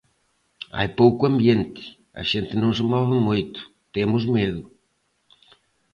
Hai pouco ambiente, a xente non se move moito, temos medo.